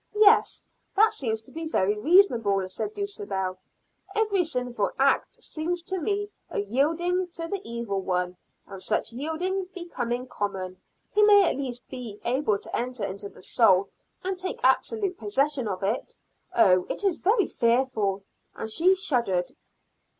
"Yes, that seems to be very reasonable," said Dulcibel. "Every sinful act seems to me a yielding to the evil one, and such yielding becoming common, he may at least be able to enter into the soul, and take absolute possession of it. Oh, it is very fearful!" and she shuddered.